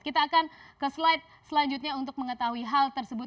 kita akan ke slide selanjutnya untuk mengetahui hal tersebut